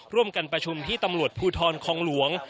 ร่วมกันประชุมที่ตำรวจภูทรคองหลวง